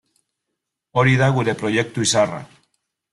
Hori da gure proiektu izarra.